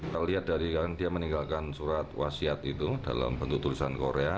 kalau lihat dari kan dia meninggalkan surat wasiat itu dalam bentuk tulisan korea